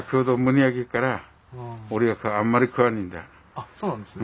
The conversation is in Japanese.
あっそうなんですね。